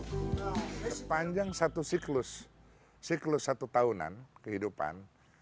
sepanjang satu siklus siklus satu tahunan kehidupan